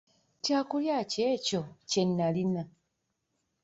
Kyakulya ki ekyo kye nalina?